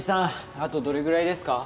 あとどれぐらいですか？